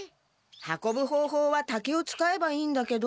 運ぶほうほうは竹を使えばいいんだけど。